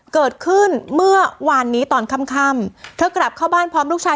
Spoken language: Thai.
เกิดขึ้นเมื่อวานนี้ตอนค่ำค่ำเธอกลับเข้าบ้านพร้อมลูกชาย